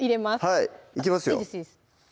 はいいきますよ